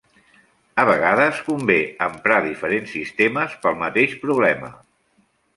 A vegades convé emprar diferents sistemes pel mateix problema.